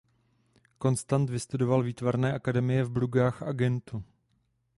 Constant vystudoval výtvarné akademie v Bruggách a Gentu.